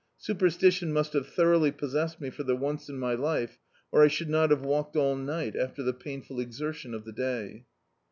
Su perstition must have thorou^ly possessed me for the OTice in my life, or I should not have walked all night, after the painful exertion of the day.